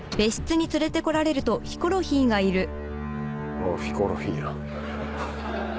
おうヒコロヒーやん。